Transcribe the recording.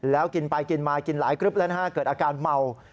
แล้วกินไปกินมากินหลายกริ๊บแล้วนะฮะเกิดอาการเมา